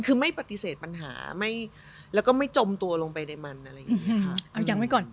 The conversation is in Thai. คือไม่ปฏิเสธปัญหาไม่แล้วก็ไม่จมตัวลงไปในมันอะไรอย่างนี้ค่ะ